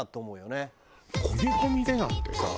「こみこみで」なんてさ